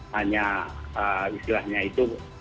hanya istilahnya itu